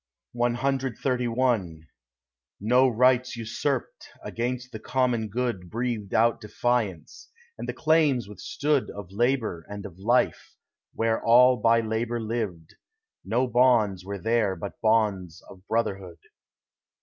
CXXXI No rights usurped, against the common good Breathed out defiance, and the claims withstood Of labour and of life, where all by labour lived: No bonds were there but bonds of brotherhood.